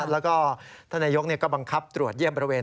แล้วก็ท่านนายกก็บังคับตรวจเยี่ยมบริเวณ